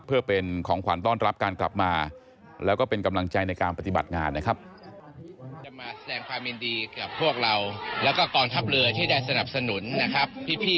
เพื่อเป็นของขวัญต้อนรับการกลับมาแล้วก็เป็นกำลังใจในการปฏิบัติงานนะครับ